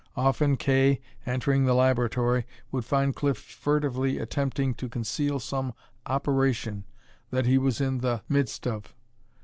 Often Kay, entering the laboratory, would find Cliff furtively attempting to conceal some operation that he was in the midst of.